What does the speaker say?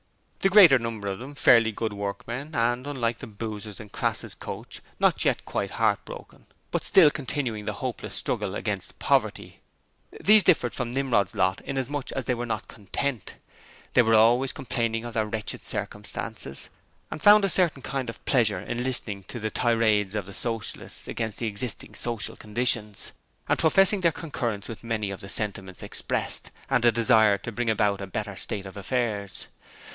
The greater number of them fairly good workmen and unlike the boozers in Crass's coach not yet quite heartbroken, but still continuing the hopeless struggle against poverty. These differed from Nimrod's lot inasmuch as they were not content. They were always complaining of their wretched circumstances, and found a certain kind of pleasure in listening to the tirades of the Socialists against the existing social conditions, and professing their concurrence with many of the sentiments expressed, and a desire to bring about a better state of affairs.